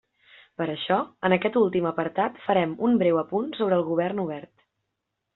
Per això, en aquest últim apartat farem un breu apunt sobre el Govern Obert.